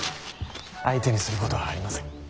相手にすることはありません。